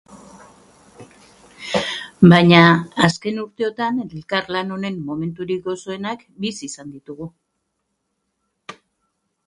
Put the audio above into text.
Baina, azken urteotan elkarlan honen momenturik gozoenak bizi izan ditugu.